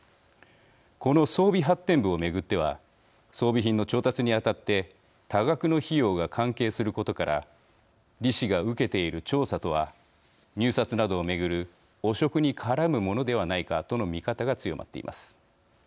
この装備発展部を巡っては装備品の調達にあたって多額の費用が関係することから李氏が受けている調査とは入札などを巡る汚職に絡むものではないかとの見方が強まっています。